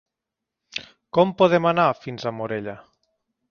Com podem anar fins a Morella?